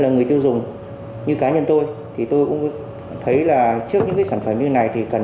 người tiêu dùng như cá nhân tôi thì tôi cũng thấy là trước những cái sản phẩm như thế này thì cần